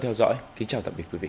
theo dõi kính chào tạm biệt quý vị